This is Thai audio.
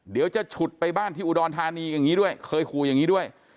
เดี๋ยวจะฉุดไปบ้านที่อุดรธานีอย่างงี้ด้วยเคยครูอย่างงี้ด้วย